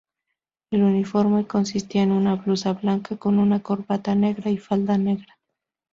El uniforme consistía en una blusa blanca con una corbata negra y falda negra.